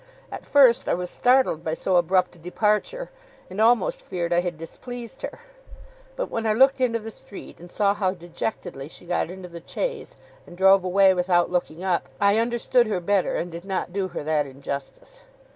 At first I was startled by so abrupt a departure, and almost feared I had displeased her; but when I looked into the street, and saw how dejectedly she got into the chaise, and drove away without looking up, I understood her better and did not do her that injustice.